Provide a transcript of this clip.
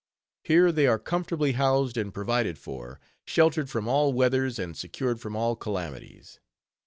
Here they are comfortably housed and provided for; sheltered from all weathers and secured from all calamities.